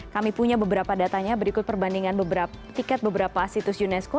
kami punya beberapa datanya berikut perbandingan tiket beberapa situs unesco